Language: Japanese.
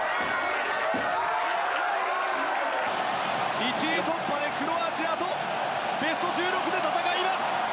１位突破でクロアチアとベスト１６で戦います。